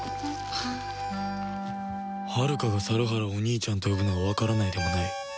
はるかが猿原を「お兄ちゃん」と呼ぶのはわからないでもない